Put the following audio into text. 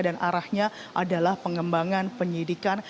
dan arahnya adalah pengembangan penyidikan